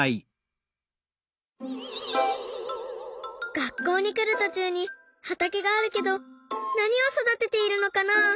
学校にくるとちゅうにはたけがあるけどなにをそだてているのかな？